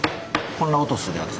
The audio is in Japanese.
こんな音するやつ。